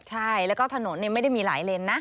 ใช่แล้วก็ถนนไม่ได้มีหลายเลนนะ